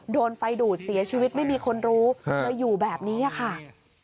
โดนไฟดูดเสียชีวิตไม่มีคนรู้เลยอยู่แบบนี้ค่ะ